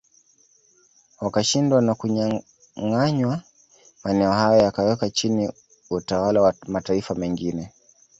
Wakashindwa na kunyanganywa maeneo hayo yakawekwa chini utawala wa mataifa mengine